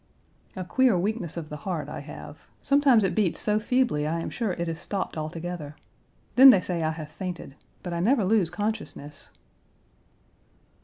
A queer weakness of the heart, I have. Sometimes it beats so feebly I am sure it has stopped altogether. Then they say I have fainted, but I never lose consciousness.